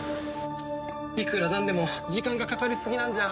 いくらなんでも時間がかかりすぎなんじゃ。